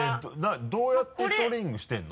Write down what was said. どうやってトレーニングしてるの？